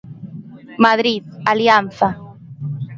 Madrid: Alianza.